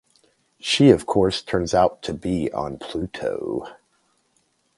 She, of course, turns out to be on Pluto.